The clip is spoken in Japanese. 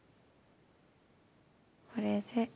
これで。